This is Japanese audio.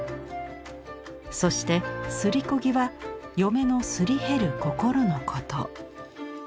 そして「すりこ木」は嫁の「すり減る心」のこと。